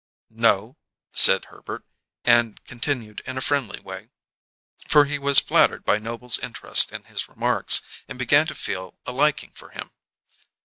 "No," said Herbert, and continued in a friendly way, for he was flattered by Noble's interest in his remarks, and began to feel a liking for him.